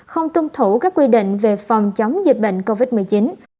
không tuân thủ các quy định về phòng chống dịch bệnh covid một mươi chín